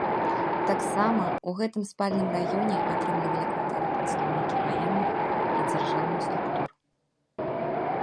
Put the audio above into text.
Таксама ў гэтым спальным раёне атрымлівалі кватэры прадстаўнікі ваенных і дзяржаўных структур.